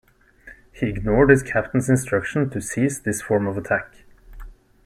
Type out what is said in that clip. He ignored his captain's instruction to cease this form of attack.